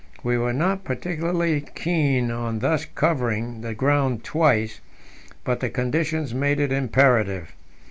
We were not particularly keen on thus covering the ground twice, but the conditions made it imperative.